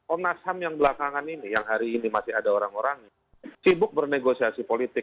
komnas ham yang belakangan ini yang hari ini masih ada orang orang sibuk bernegosiasi politik